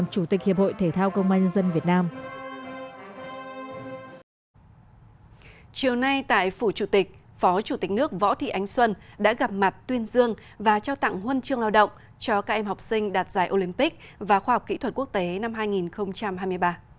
chiều nay tại phủ chủ tịch phó chủ tịch nước võ thị ánh xuân đã gặp mặt tuyên dương và trao tặng huân chương lao động cho các em học sinh đạt giải olympic và khoa học kỹ thuật quốc tế năm hai nghìn hai mươi ba